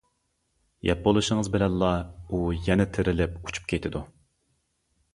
يەپ بولۇشىڭىز بىلەنلا ئۇ يەنە تىرىلىپ ئۇچۇپ كېتىدۇ.